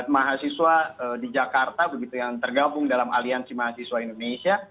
mahasiswa di jakarta begitu yang tergabung dalam aliansi mahasiswa indonesia